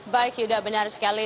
baik sudah benar sekali